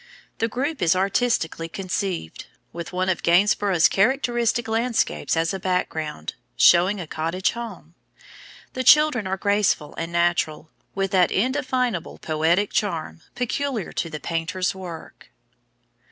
The group is artistically conceived, with one of Gainsborough's characteristic landscapes as a background, showing a cottage home. The children are graceful and natural, with that indefinable poetic charm peculiar to the painter's work.